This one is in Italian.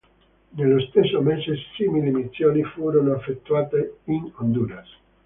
Nello stesso mese simili missioni furono effettuate in Honduras.